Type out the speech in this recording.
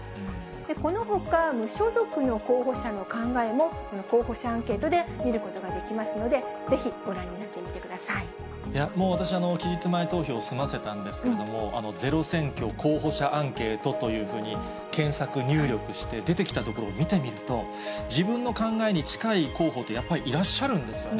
このほか、無所属の候補者の考えも、候補者アンケートで見ることができますので、もう私、期日前投票済ませたんですけども、ＺＥＲＯ選挙候補者アンケートというふうに検索入力して、出てきたところを見てみると、自分の考えに近い候補って、やっぱりいらっしゃるんですよね。